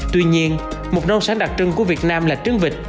tuy nhiên một nông sản đặc trưng của việt nam là trứng vịt